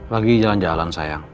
lagi jalan jalan sayang